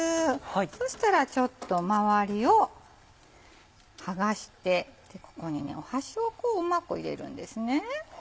そしたらちょっと周りを剥がしてここにね箸をこううまく入れるんですね。